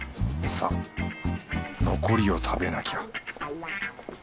さ残りを食べなきゃ